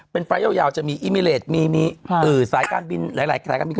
เป็นไฟล์ยาวจะมีอิมิเลสมีสายการบินหลายสายการบิน